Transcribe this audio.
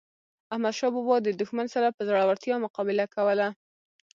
احمد شاه بابا د دښمن سره په زړورتیا مقابله کوله.